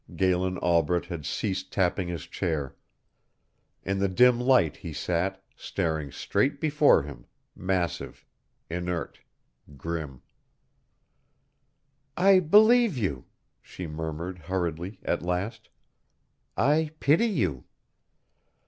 Galen Albret had ceased tapping his chair. In the dim light he sat, staring straight before him, massive, inert, grim. "I believe you " she murmured hurriedly at last. "I pity you!"